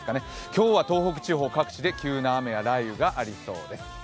今日は東北地方各地で急な雨や雷雨がありそうです。